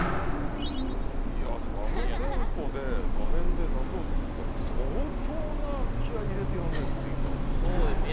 あのテンポで画面で出そうと思ったら相当な気合入れてやらないとできないですよね。